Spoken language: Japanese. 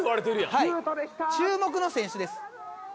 はい注目の選手です。